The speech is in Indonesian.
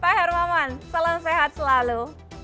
pak hermawan salam sehat selalu